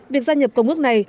việc gia nhập công ước này